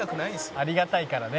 「ありがたいからね」